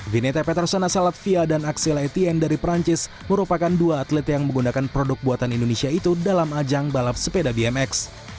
vinete peterson asal latvia dan axeletyen dari perancis merupakan dua atlet yang menggunakan produk buatan indonesia itu dalam ajang balap sepeda bmx